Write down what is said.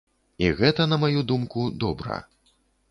І гэта, на маю думку, добра.